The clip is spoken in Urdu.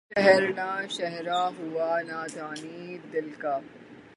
کس شہر نہ شہرہ ہوا نادانئ دل کا